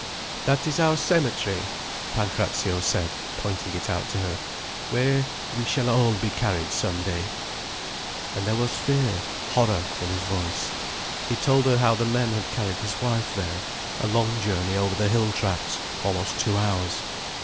"That is our cemetery," Pancrazio said, pointing it out to her, "where we shall all be carried some day." And there was fear, horror in his voice. He told her how the men had carried his wife there—a long journey over the hill tracks, almost two hours.